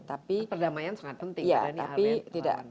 tapi perdamaian sangat penting